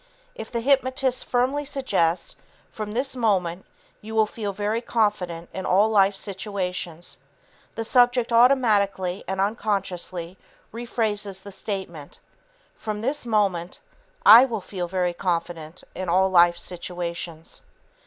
If the hypnotist firmly suggests, "From this moment, you will feel very confident in all life situations," the subject automatically and unconsciously rephrases the statement, "From this moment, I will feel very confident in all life situations."